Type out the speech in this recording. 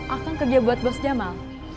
akan kerja buat bos jamal